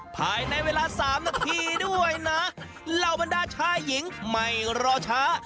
ภายในเวลาสามนาทีด้วยนะเหล่าบรรดาชายหญิงไม่รอช้า